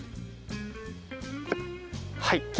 はい。